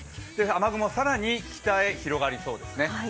雨雲、更に北へ広がりそうですね。